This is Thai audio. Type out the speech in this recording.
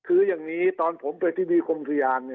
คราวนี้เจ้าหน้าที่ป่าไม้รับรองแนวเนี่ยจะต้องเป็นหนังสือจากอธิบดี